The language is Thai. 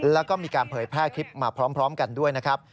แล้วก็มีการเผยแพร่คลิปมาพร้อมกันด้วยนะครับ